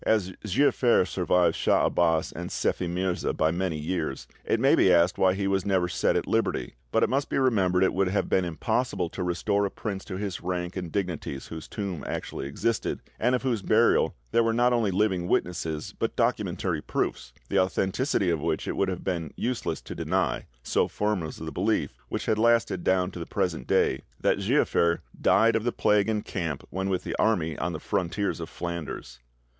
As Giafer survived Cha Abas and Sephi Mirza by many years, it may be asked why he was never set at liberty; but it must be remembered it would have been impossible to restore a prince to his rank and dignities whose tomb actually existed, and of whose burial there were not only living witnesses but documentary proofs, the authenticity of which it would have been useless to deny, so firm was the belief, which has lasted down to the present day, that Giafer died of the plague in camp when with the army on the frontiers of Flanders.